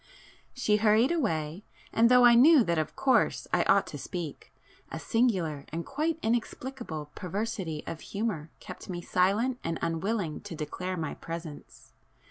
She hurried away, and though I knew that of course I ought to speak, a singular and quite inexplicable perversity of humour kept me silent and unwilling to declare my presence.